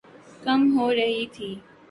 کم ہو رہی تھِی